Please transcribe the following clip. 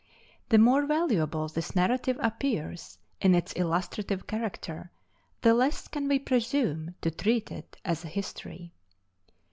The more valuable this narrative appears, in its illustrative character, the less can we presume to treat it as a history.